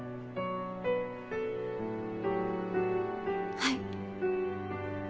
「はい」